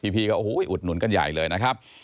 พี่ก็โอ้โหอุดหนุนกันใหญ่เลยนะครับ